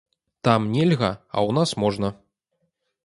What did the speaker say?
Там нельга, а ў нас можна.